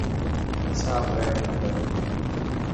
صاف رهڻ کپي.